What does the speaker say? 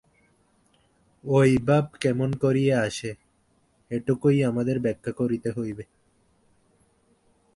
ঐ ভাব কেমন করিয়া আসে, এটুকুই আমাদের ব্যাখ্যা করিতে হইবে।